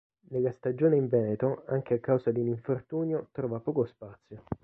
Nella stagione in Veneto, anche a causa di un infortunio, trova poco spazio.